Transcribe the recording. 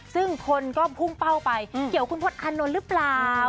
ซึ่งคนก็พุ่งเป้าไปเกี่ยวคุณพลตอานนท์หรือเปล่า